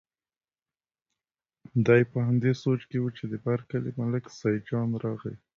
دی په همدې سوچ کې و چې د بر کلي ملک سیدجان راغی.